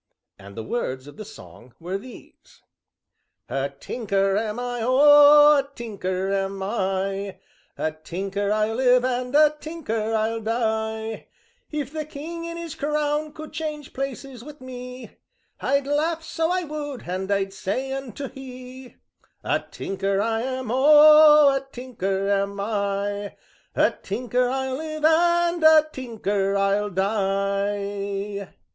And the words of the song were these: "A tinker I am, O a tinker am I, A tinker I'll live, and a tinker I'll die; If the King in his crown would change places wi' me I'd laugh so I would, and I'd say unto he: 'A tinker I am, O a tinker am I. A tinker I'll live, and a tinker I'll die.'"